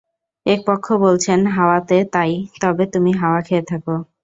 এক পক্ষ বলছেন, হাওয়াতে তাই, তবে তুমি হাওয়া খেয়ে থাক।